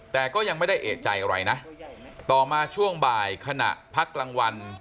แต่ก็ยังไม่ได้เอกใจอะไรนะต่อมาช่วงบ่ายขณะพักกลางวัน